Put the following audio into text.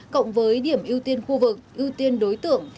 cộng với điểm ưu tiên khu vực ưu tiên đối tượng